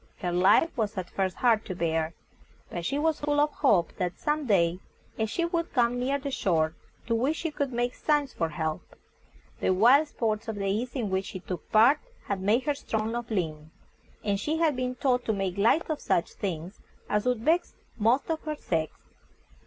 Her life was at first hard to bear, but she was full of hope that some day a ship would come near the shore, to which she could make signs for help. The wild sports of the East in which she took part had made her strong of limb, and she had been taught to make light of such things as would vex most of her sex.